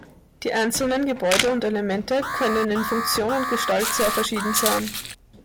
Die einzelnen Gebäude und Elemente können in Funktion und Gestalt sehr verschieden sein.